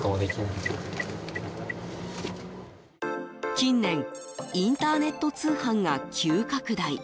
近年、インターネット通販が急拡大。